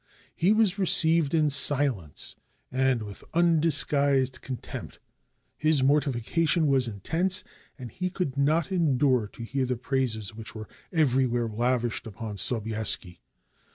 He was received in silence, and with undisguised contempt. His mortification was intense, and he could not endure to hear the praises which were everywhere lavished upon Sobieski.